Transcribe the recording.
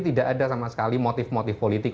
tidak ada sama sekali motif motif politik